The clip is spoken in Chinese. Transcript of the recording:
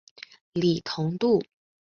李同度。